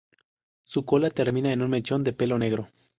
Su cola termina en un mechón de pelo negro.